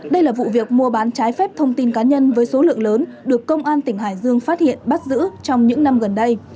đây là vụ việc mua bán trái phép thông tin cá nhân với số lượng lớn được công an tỉnh hải dương phát hiện bắt giữ trong những năm gần đây